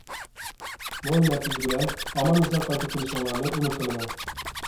مول نەتىجە بىلەن ئامان-ئېسەن قايتىپ كېلىشىڭلارنى ئۈمىد قىلىمەن.